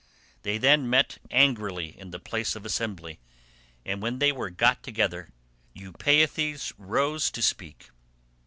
They then met angrily in the place of assembly, and when they were got together Eupeithes rose to speak.